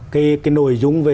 cái nội dung về